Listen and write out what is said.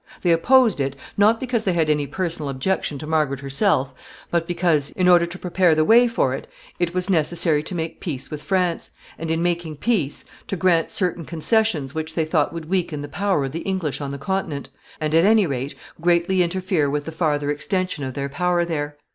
They opposed it, not because they had any personal objection to Margaret herself, but because, in order to prepare the way for it, it was necessary to make peace with France, and in making peace, to grant certain concessions which they thought would weaken the power of the English on the Continent, and, at any rate, greatly interfere with the farther extension of their power there.